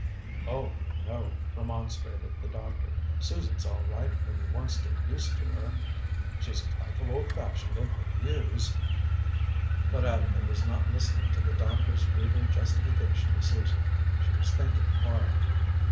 "Oh, no," remonstrated the doctor. "Susan's all right, when you once get used to her. She's a trifle old fashioned in her views " But Agatha was not listening to the doctor's feeble justification of Susan. She was thinking hard.